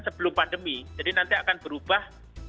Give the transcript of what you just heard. sebelum pandemi jadi nanti akan berubah